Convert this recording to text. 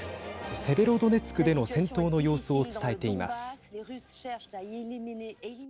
セベロドネツクでの戦闘の様子を伝えています。